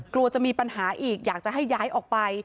กลัวจะมีปัญหาอีกอยากจะให้ย้ายออกไป